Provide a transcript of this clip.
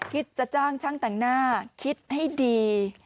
คิดจะจ้างช่างแต่งหน้าคิดให้ดี